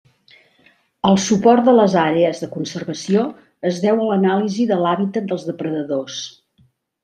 El suport de les àrees de conservació es deu a l'anàlisi de l'hàbitat dels depredadors.